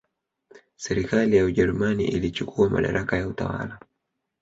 Serikali ya Ujerumani ilichukua madaraka ya utawala